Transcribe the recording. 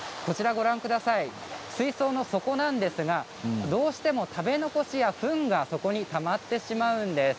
水槽の底なんですがどうしても食べ残しやフンが底にたまってしまうんです。